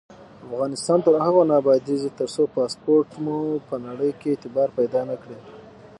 افغانستان تر هغو نه ابادیږي، ترڅو پاسپورت مو په نړۍ کې اعتبار پیدا نکړي.